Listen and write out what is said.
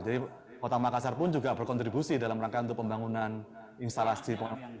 jadi kota makassar pun juga berkontribusi dalam rangka untuk pembangunan instalasi